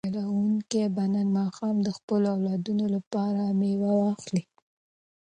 موټر چلونکی به نن ماښام د خپلو اولادونو لپاره مېوه واخلي.